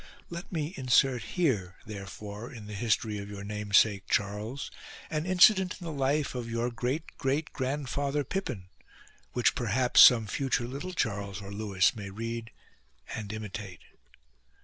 Let me insert here therefore in the history of your namesake Charles an incident in the life of your great great grand father Pippin : which perhaps some future little Charles or Lewis may read and imitate.